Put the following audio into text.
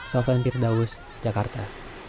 sofian pirdaus jakarta